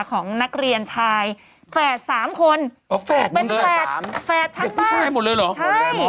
ของนักเรียนชายแฝดสามคนโอ้โฟกเป็นแฝดแฝดทั้งบ้านเด็กผู้ชายหมดเลยเหรอ